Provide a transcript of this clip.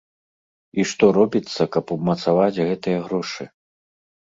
І што робіцца, каб умацаваць гэтыя грошы?